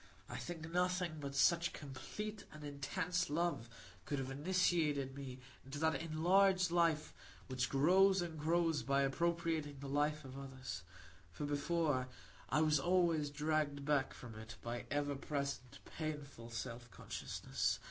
I think nothing but such complete and intense love could have initiated me into that enlarged life which grows and grows by appropriating the life of others; for before, I was always dragged back from it by ever present painful self consciousness.